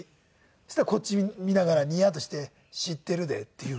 そしたらこっち見ながらニヤッとして「知っているで」っていう。